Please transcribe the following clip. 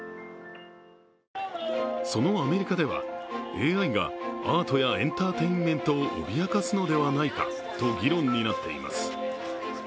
そのアメリカではＡＩがアートやエンターテインメントを脅かすのではないかと議論になっています。